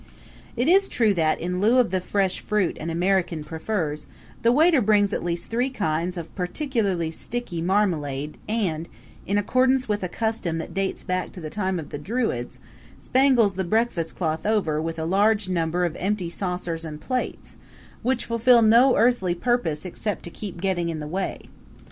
It is true that, in lieu of the fresh fruit an American prefers, the waiter brings at least three kinds of particularly sticky marmalade and, in accordance with a custom that dates back to the time of the Druids, spangles the breakfast cloth over with a large number of empty saucers and plates, which fulfill no earthly purpose except to keep getting in the way.